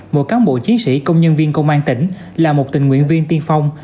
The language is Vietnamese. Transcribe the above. một cán bộ chiến sĩ công nhân viên công an tỉnh là một tình nguyện viên tiên phong